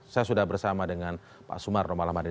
saya sudah bersama dengan pak sumarno malamadini